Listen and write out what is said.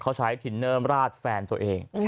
เขาใช้ทินเนอร์ราดแฟนตัวเอง